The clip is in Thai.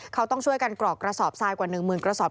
เขาต้องช่วยกันกรอกกระสอบทรายกว่า๑หมื่นกระสอบ